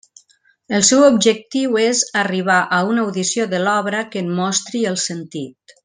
El seu objectiu és arribar a una audició de l'obra que en mostri el sentit.